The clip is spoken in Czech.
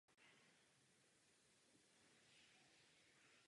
Botswana má jednu diecézi a jeden apoštolský vikariát.